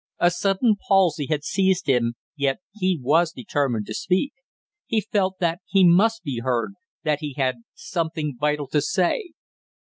A sudden palsy had seized him, yet he was determined to speak; he felt that he must be heard, that he had something vital to say.